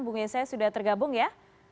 bung yese sudah tergabung ya